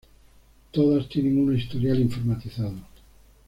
Todas tienen un historial informatizado.